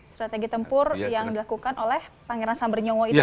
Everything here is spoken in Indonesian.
strategi tempur yang dilakukan oleh pangeran sambernyowo itu ya